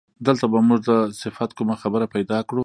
دلته به موږ د صفت کومه خبره پیدا کړو.